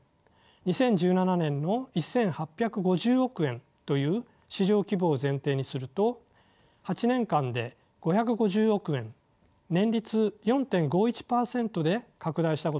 ２０１７年の１，８５０億円という市場規模を前提にすると８年間で５５０億円年率４．５１％で拡大したことになります。